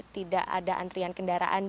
tidak ada antrian kendaraan